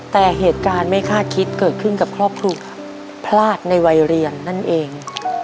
แต่เหตุการณ์ไม่คาดคิดเกิดขึ้นกับครอบครัวพลาดในวัยเรียนนั่นเอง